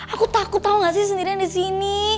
aku takut tau gak sih sendirian disini